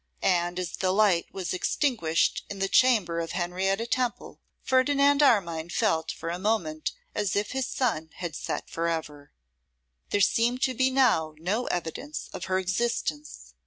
And as the light was extinguished in the chamber of Henrietta Temple, Ferdinand Armine felt for a moment as if his sun had set for ever. There seemed to be now no evidence of her existence.